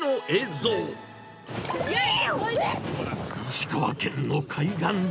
石川県の海岸で。